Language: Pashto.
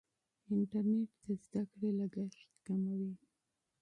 انټرنیټ د زده کړې لګښت کموي.